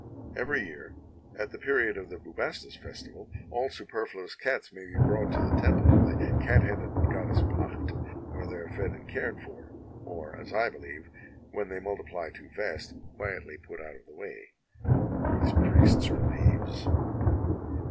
"Every year, at the period of the Bubastis Festival, all superfluous cats may be brought to the temple of the cat headed goddess Pacht, where they are fed and cared for, or as I believe, when they multiply too fast, quietly put out of the way. These priests are knaves